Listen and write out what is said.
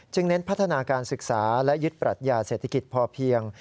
เน้นพัฒนาการศึกษาและยึดปรัชญาเศรษฐกิจพอเพียง